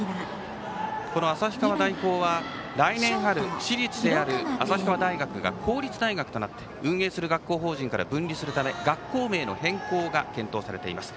この旭川大高は、来年春私立である旭川大学が公立大学となって運営する学校法人から分離するため、学校名の変更が検討されています。